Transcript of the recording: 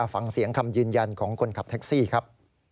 ฟังเสียงคำยืนยันของคนขับแท็กซี่ครับ